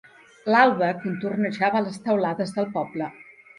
L'alba contornejava les teulades del poble.